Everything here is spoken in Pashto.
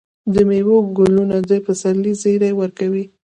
د میوو ګلونه د پسرلي زیری ورکوي.